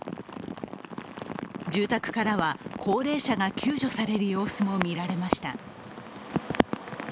住宅からは高齢者が救助される様子も見られました。